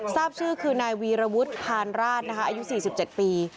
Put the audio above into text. ทราบชื่อคือนายวีรวุฒิพานราชอายุ๔๗ปี